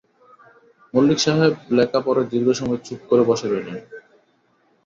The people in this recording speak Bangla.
মল্লিক সাহেব লেখা পড়ে দীর্ঘ সময় চুপ করে বসে রইলেন।